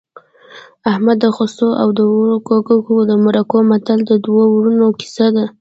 احمد د خسو د اوړو ککو د مرکو متل د دوو ورونو کیسه ده